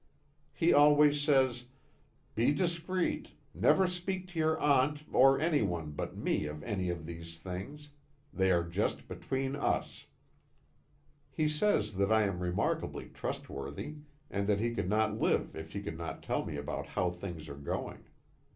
He always says: "Be discreet; never speak to your Aunt or anyone but me of any of these things. They are just between us." He says that I am remarkably trustworthy, and that he could not live if he could not tell me about how things are going.